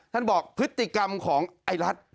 บอกพฤติกรรมของไอ้รัฐ